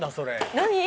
何？